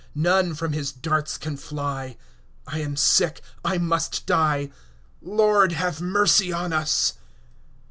None from his darts can fly; 5 I am sick, I must die— Lord, have mercy on us!